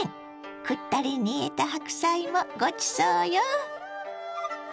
くったり煮えた白菜もごちそうよ。